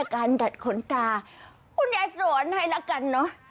การดัดขนตาคุณย้ายสวนให้แล้วกันเนอะ